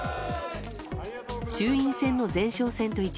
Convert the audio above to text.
衆院選の前哨戦と位置